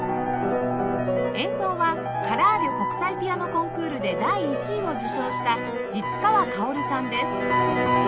演奏はカラーリョ国際ピアノコンクールで第１位を受賞した實川風さんです